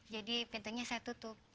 jadi pintunya saya tutup